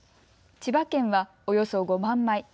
千葉県はおよそ５万枚。